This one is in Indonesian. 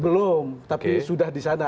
belum tapi sudah di sana